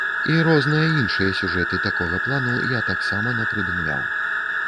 І розныя іншыя сюжэты такога плану я таксама напрыдумляў.